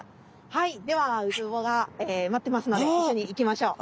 はいではウツボが待ってますので一緒に行きましょう。